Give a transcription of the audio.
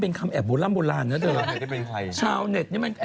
เพราะก่อนครับพอพี่หนุ่มบอกว่า